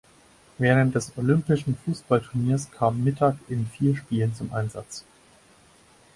Während des olympischen Fußballturniers kam Mittag in vier Spielen zum Einsatz.